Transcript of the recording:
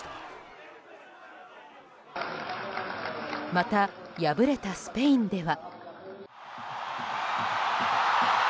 また、敗れたスペインでは。